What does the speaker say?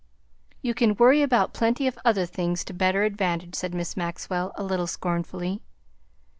"You could worry about plenty of other things to better advantage," said Miss Maxwell, a little scornfully.